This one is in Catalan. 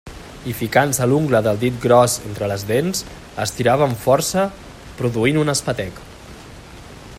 I ficant-se l'ungla del dit gros entre les dents, estirava amb força, produint un espetec.